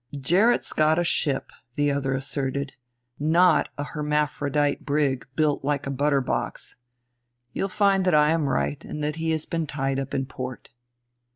"Gerrit's got a ship," the other asserted, "not a hermaphrodite brig built like a butter box. You'll find that I am right and that he has been tied up in port."